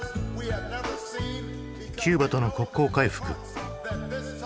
キューバとの国交回復。